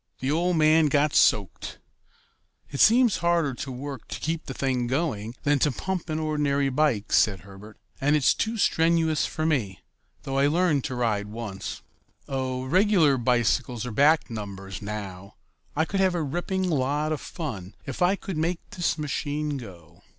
The old man got soaked." "It seems harder work to keep the thing going than to pump an ordinary bike," said Herbert, "and that's too strenuous for me though I learned to ride one once." "Oh, regular bicycles are back numbers now. I could have a ripping lot of fun if I could make this machine go.